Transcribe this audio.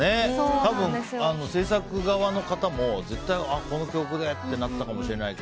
多分、制作側の方も絶対この曲でってなったかもしれません。